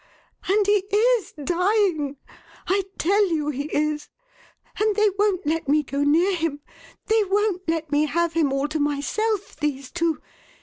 And he is dying: I tell you he is. And they won't let me go near him: they won't let me have him all to myself, these two!